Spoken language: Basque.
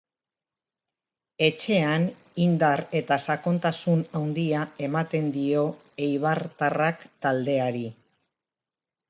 Etxean indar eta sakontasun handia ematen dio eibartarrak taldeari.